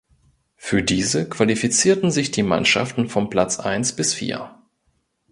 Für diese qualifizierten sich die Mannschaften von Platz eins bis vier.